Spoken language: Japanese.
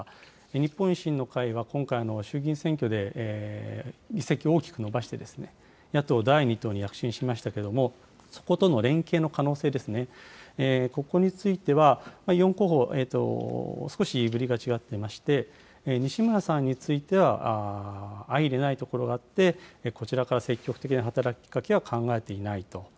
日本維新の会は今回、衆議院選挙で議席を大きく伸ばして、野党第２党に躍進しましたけれども、そことの連携の可能性ですね、ここについては、４候補、少し言いぶりが違っていまして、西村さんについては、相いれないところがあって、こちらから積極的に働きかけは考えていないと。